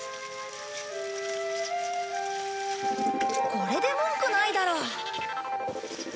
これで文句ないだろう。